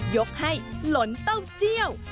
ยกให้หลนเต้าเจี่ยว